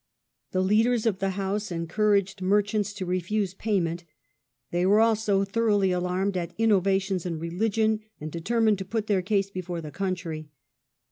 The leaders of the House encouraged merchants to refuse payment. They were also thoroughly alarmed at " inno vations" in religion, and determined to put their case before the country.